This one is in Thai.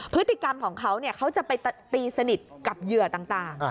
พฤติกรรมของเขาเขาจะไปตีสนิทกับเหยื่อต่าง